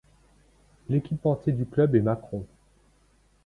L'équipementier du club est Macron.